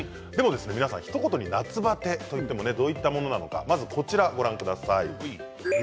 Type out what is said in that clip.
ひと言に夏バテといってもどういうものなのかまず、こちらをご覧ください。